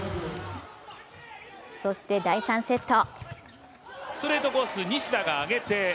そして第３セット。